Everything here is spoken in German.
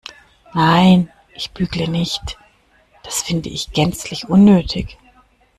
Nein, ich bügle nicht, das finde ich gänzlich unnötig.